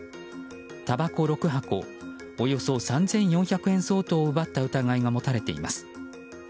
たばこ６箱およそ３４００円相当を奪った疑いが持たれています。